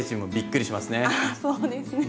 あそうですね。